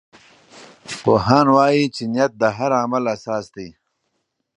پوهان وایي چې نیت د هر عمل اساس دی.